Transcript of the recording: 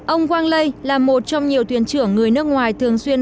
ông quang lây là một trong nhiều thuyền trưởng người nước ngoài thường xuyên